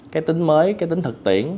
cái tính mới cái tính thực tiễn